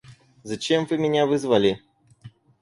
Зачем вы меня вызвали?